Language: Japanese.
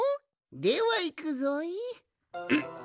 ではいくぞい。